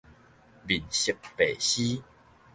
面色白屍